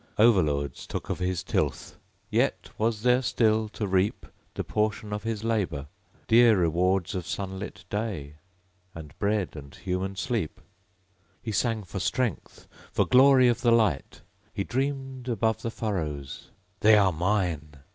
Over lords Took of his tilth. Yet was there still to reap, The portion of his labor; dear rewards Of sunlit day, and bread, and human sleep. He sang for strength; for glory of the light. He dreamed above the furrows, 'They are mine!'